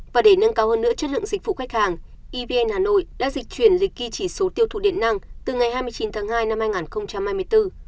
và để nâng cao hơn nữa chất lượng dịch vụ khách hàng evn hà nội đã dịch chuyển lịch ghi chỉ số tiêu thụ điện năng từ ngày hai mươi chín tháng hai năm hai nghìn hai mươi bốn